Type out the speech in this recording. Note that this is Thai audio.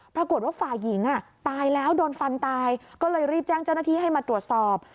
ปรากฏว่าฝ่ายหญิงตายแล้วโดนฟันตายก็เลยรีบแจ้งเจ้าหน้าที่ให้มาตรวจสอบ